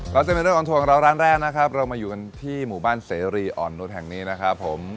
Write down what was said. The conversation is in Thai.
จะเป็นเรื่องออนทัวของเราร้านแรกนะครับเรามาอยู่กันที่หมู่บ้านเสรีอ่อนนุษย์แห่งนี้นะครับผม